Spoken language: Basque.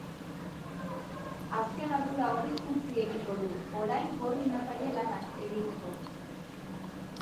Azken ardura hori utzi egingo du, orain, koordinatzaile lanak egiteko.